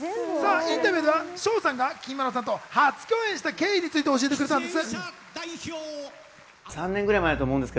インタビューでは翔さんがきみまろさんと初共演した経緯について教えてくれたんです。